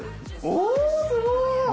おおすごい！